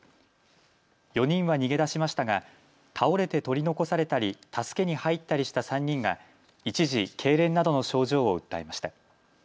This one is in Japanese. ４人は逃げ出しましたが倒れて取り残されたり助けに入ったりした３人が一時、けいれんなどの症状を訴えました。